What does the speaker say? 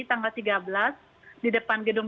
tanggal tiga belas di depan gedung